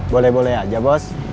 boleh boleh aja bos